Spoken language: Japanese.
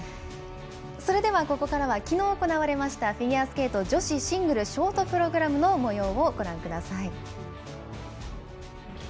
それでは、ここからはきのう行われましたフィギュアスケート女子シングルショートプログラムのもようをご覧ください。